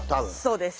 そうです。